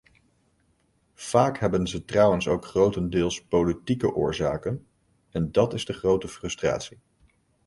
Vaak hebben ze trouwens ook grotendeels politieke oorzaken, en dat is de grote frustratie.